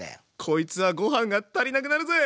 こいつはごはんが足りなくなるぜ！